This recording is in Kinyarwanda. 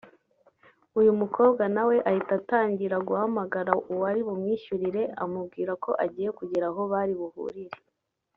uyu mukobwa nawe ahita atangira guhamagara uwari bumwishyurire amubwira ko agiye kugera aho bari buhurire